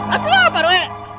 asyik pak rw